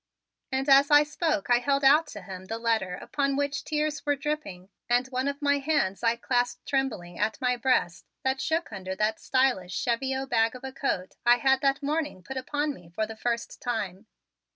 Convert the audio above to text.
And as I spoke I held out to him the letter upon which tears were dripping and one of my hands I clasped trembling at my breast that shook under that stylish cheviot bag of a coat I had that morning put upon me for the first time.